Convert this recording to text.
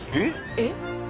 えっ？